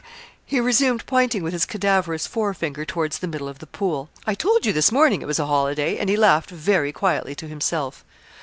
_' he resumed pointing with his cadaverous forefinger towards the middle of the pool. 'I told you this morning it was a holiday,' and he laughed very quietly to himself.